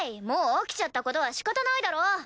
もう起きちゃったことはしかたないだろ。